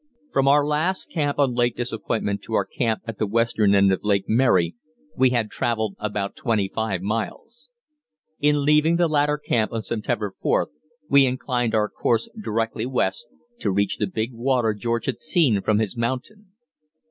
From our last camp on Lake Disappointment to our camp at the western end of Lake Mary we had travelled about twenty five miles. In leaving the latter camp on September 4th we inclined our course directly west, to reach the "big water" George had seen from his mountain.